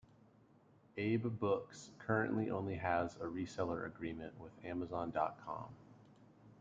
AbeBooks currently only has a reseller agreement with Amazon dot com.